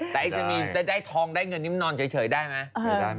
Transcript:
แต่จะมีจะได้ทองได้เงินนี้มันนอนเฉยได้ไหม